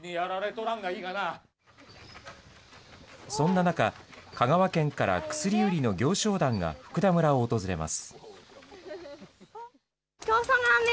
そんな中、香川県から薬売りの行商団が福田村を訪れます。